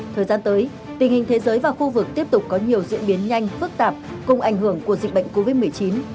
thời gian tới tình hình thế giới và khu vực tiếp tục có nhiều diễn biến nhanh phức tạp cùng ảnh hưởng của dịch bệnh covid một mươi chín